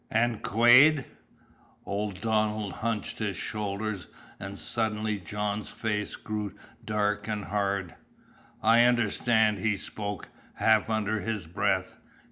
"And Quade?" Old Donald hunched his shoulders, and suddenly John's face grew dark and hard. "I understand," he spoke, half under his breath.